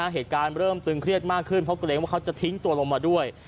เหตุการณ์เริ่มตึงเครียดมากขึ้นเพราะเกรงว่าเขาจะทิ้งตัวลงมาด้วย